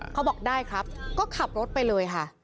เขาบอกได้ครับก็ขับรถไปเลยค่ะ